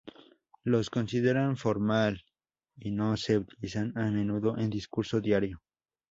Los consideran formal y no se utilizan a menudo en discurso diario.